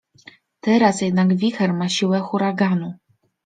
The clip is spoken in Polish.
Teraz jednak wicher ma siłę huraganu.